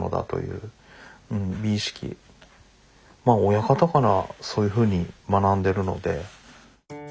親方からそういうふうに学んでるので。